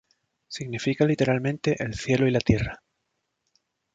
Significa literalmente "El Cielo y La Tierra".